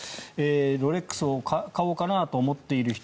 ロレックスを買おうかなと思っている人